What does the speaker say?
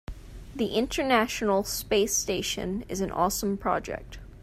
The international space station is an awesome project.